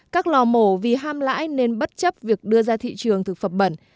các lò mổ vì ham lãi nên bất chấp việc đưa ra thị trường thực phẩm bẩn